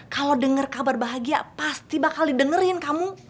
kalau denger kabar bahagia pasti bakal didengerin kamu